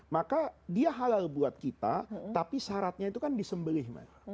maka dia halal buat kita tapi syaratnya itu kan disembelih